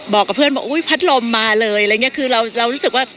บอกกับเพื่อนบอกอุ้ยพัดลมมาเลยอะไรเนี้ยคือเราเรารู้สึกว่า